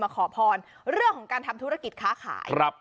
ขอพรเรื่องของการทำธุรกิจค้าขายครับ